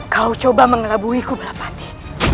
kau coba mengelabui kubelap hati